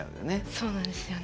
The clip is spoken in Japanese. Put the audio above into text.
そうなんですよね。